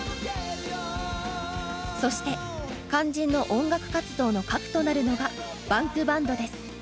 そして肝心の音楽活動の核となるのがＢａｎｋＢａｎｄです。